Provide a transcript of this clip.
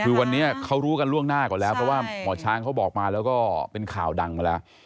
คือวันนี้เขารู้กันล่วงหน้าก่อนแล้วเพราะว่าหมอช้างเขาบอกมาแล้วก็เป็นข่าวดังมาแล้ว